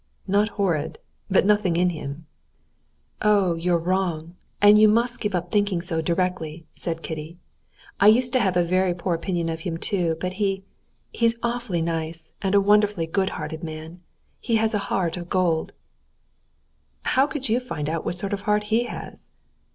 "Not horrid, but nothing in him." "Oh, you're wrong! And you must give up thinking so directly!" said Kitty. "I used to have a very poor opinion of him too, but he, he's an awfully nice and wonderfully good hearted man. He has a heart of gold." "How could you find out what sort of heart he has?"